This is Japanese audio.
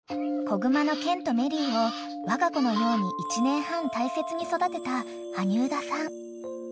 ［子グマのケンとメリーをわが子のように１年半大切に育てた羽生田さん］